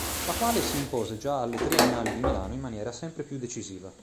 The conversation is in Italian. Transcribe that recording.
La quale si impose già alle Triennali di Milano in maniera sempre più decisiva.